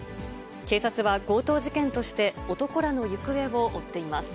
警察は、強盗事件として男らの行方を追っています。